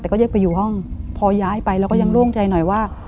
แต่ก็แยกไปอยู่ห้องพอย้ายไปเราก็ยังโล่งใจหน่อยว่า